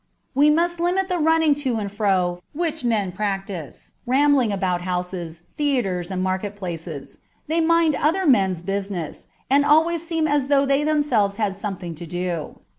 We must limit the running to and fro which most men practise, rambling about houses, theatres, and market places. They mind other men's business, and always seem as though they themselves had something to do.